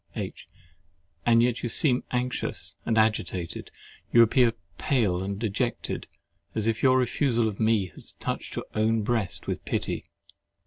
H. And yet you seem anxious and agitated. You appear pale and dejected, as if your refusal of me had touched your own breast with pity.